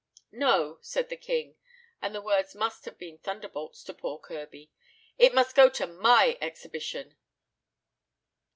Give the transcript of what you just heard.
"No!" said the king, and the words must have been thunderbolts to poor Kirby; "it must go to my exhibition."